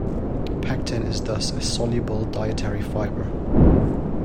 Pectin is thus a soluble dietary fiber.